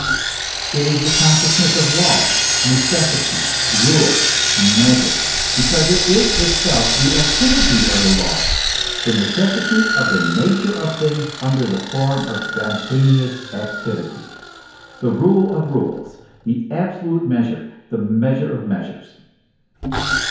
It is the consciousness of law, necessity, rule, measure, because it is itself the activity of law, the necessity of the nature of things under the form of spon taneous activity, the rule of rules, the absolute measure, the measure of measures.